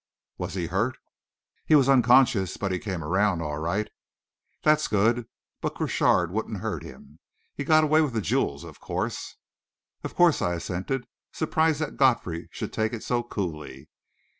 "Was he hurt?" "He was unconscious, but he came around all right." "That's good but Crochard wouldn't hurt him. He got away with the jewels, of course?" "Of course," I assented, surprised that Godfrey should take it so coolly.